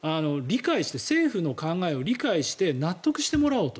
政府の考えを理解して納得してもらおうと。